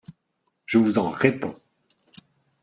Je vous en réponds !…